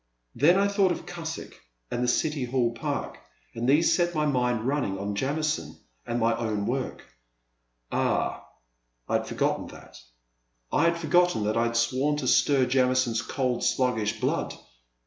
Then I thought of Cusick and the City Hall Park and these set my mind running on Jamison and my own work, — ^ah ! I had forgotten that, — I had forgotten that I had sworn to stir Jamison's cold, sluggish blood